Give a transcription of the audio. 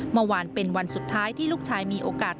เมื่อวานเป็นวันสุดท้ายที่ลูกชายมีโอกาส